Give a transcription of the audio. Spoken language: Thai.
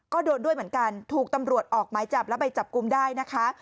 ก็โดนด้วยเหมือนกันถูกตำรวจออกหมายจับแล้วไปจับกลุ่มได้นะคะ